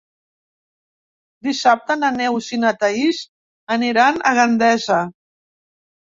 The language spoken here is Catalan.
Dissabte na Neus i na Thaís aniran a Gandesa.